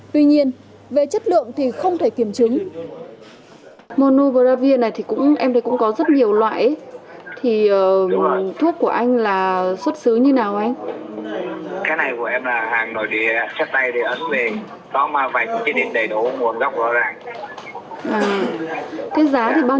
tuy nhiên về chất lượng thì không thể kiểm chứng